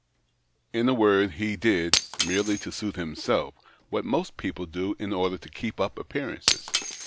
In a word, he did, merely to suit himself, what most people do in order to keep up appearances.